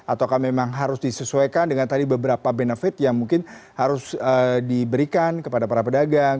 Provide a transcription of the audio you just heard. atau memang harus disesuaikan dengan tadi beberapa benefit yang mungkin harus diberikan kepada para pedagang